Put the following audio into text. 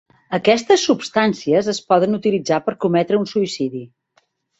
Aquestes substàncies es poden utilitzar per cometre un suïcidi.